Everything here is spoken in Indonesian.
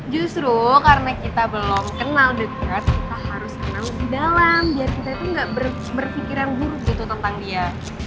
justru karena kita belum kenal dekat kita harus kenal di dalam biar kita itu nggak berpikiran buruk gitu tentang dia